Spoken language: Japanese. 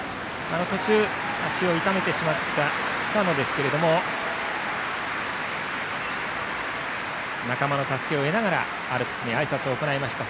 途中、足を痛めた深野ですが仲間の助けを得ながらアルプスにあいさつを行いました。